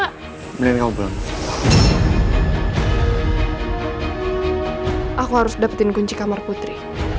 aku harus dapetin kunci kamar putri